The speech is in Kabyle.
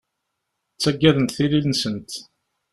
Ttaggadent tili-nsent.